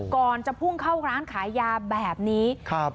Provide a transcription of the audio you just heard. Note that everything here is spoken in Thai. ก่อนจะพุ่งเข้าร้านขายยาแบบนี้ครับ